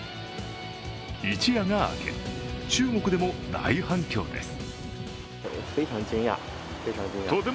一夜が明け、中国でも大反響です。